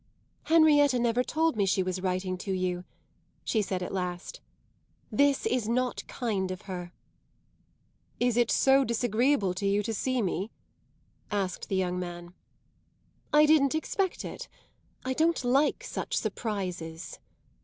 "Henrietta never told me she was writing to you," she said at last. "This is not kind of her." "Is it so disagreeable to you to see me?" asked the young man. "I didn't expect it. I don't like such surprises."